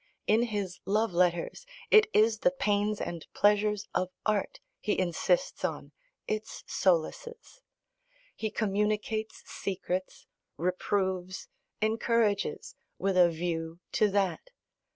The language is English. In his love letters it is the pains and pleasures of art he insists on, its solaces: he communicates secrets, reproves, encourages, with a view to that.